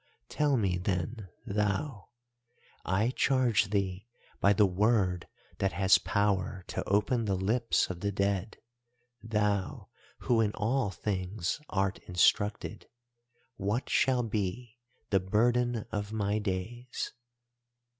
Tell me, then, thou, I charge thee by the word that has power to open the lips of the dead, thou who in all things art instructed, what shall be the burden of my days?